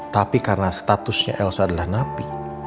tapi karena statusnya elsa adalah napi